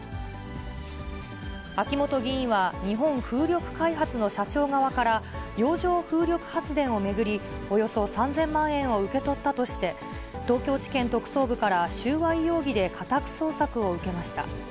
秋本議員は、日本風力開発の社長側から、洋上風力発電を巡り、およそ３０００万円を受け取ったとして、東京地検特捜部から収賄容疑で家宅捜索を受けました。